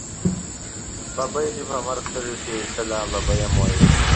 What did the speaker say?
ببۍ دې په مرګ ستړې شې، ته لا ببۍ هم وی.